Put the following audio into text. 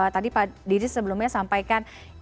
tadi pak didis sebelumnya sampaikan